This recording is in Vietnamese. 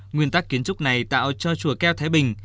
nguyên tắc kiến trúc này tạo cho chùa keo thái bình